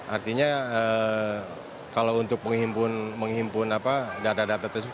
artinya kalau untuk menghimpun data data tersebut